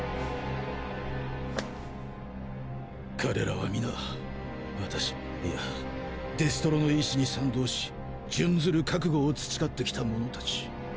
彼らは皆私いやデストロの遺志に賛同し殉ずる覚悟を培ってきた者達。